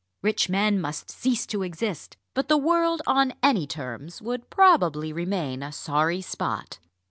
Rich men must cease to exist; but the world on any terms would probably remain a sorry spot.